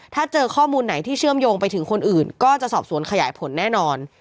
ถ้าเจอข้อมูลไหนที่เชื่อมโยงไปถึงคนอื่นก็จะสอบสวนขยายผลแน่นอน